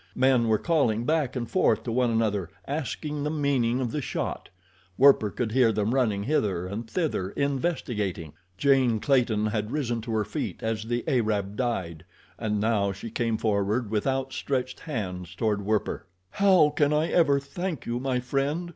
Men were calling back and forth to one another asking the meaning of the shot. Werper could hear them running hither and thither, investigating. Jane Clayton had risen to her feet as the Arab died, and now she came forward with outstretched hands toward Werper. "How can I ever thank you, my friend?"